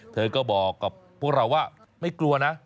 เธอก็บอกกับพวกเราว่าไม่กลัวนะ